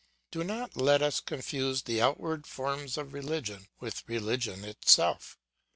Do not let us confuse the outward forms of religion with religion itself.